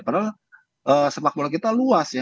padahal sepak bola kita luas ya